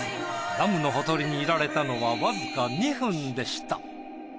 ダムのほとりにいられたのはわずか２分でした。